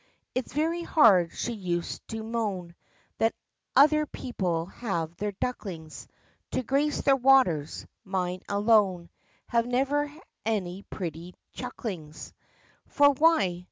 "It's very hard," she used to moan, "That other people have their ducklings To grace their waters mine alone Have never any pretty chucklings." For why!